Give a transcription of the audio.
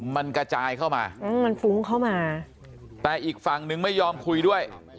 มันกระจายเข้ามามันฟุ้งเข้ามาแต่อีกฝั่งนึงไม่ยอมคุยด้วย